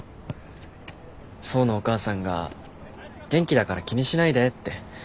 想のお母さんが「元気だから気にしないで」って。